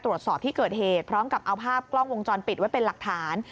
ตรวจสอบที่เกิดเหตุพร้อมกับเอาภาพกล้องวงจรปิดไว้เป็นหลักฐาน